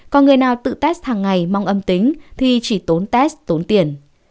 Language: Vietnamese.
còn người nào tự test hàng ngày mong âm tính thì chỉ tốn test tốn tiền